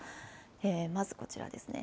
まずこちらですね。